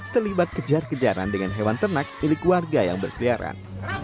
terlibat kejar kejaran dengan hewan ternak milik warga yang berkeliaran